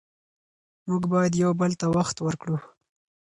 موږ باید یو بل ته وخت ورکړو